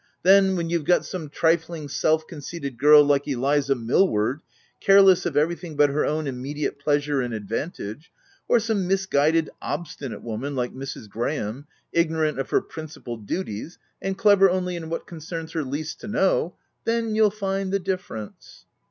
Then, when you've got some trifling, self conceited girl like Eliza Millward, careless of everything but her own immediate pleasure and advantage, or some misguided, obstinate woman like Mrs. Gra 110 THE TENANT ham, ignorant of her principal duties, and clever only in what concerns her least to know — then, you'll find the difference."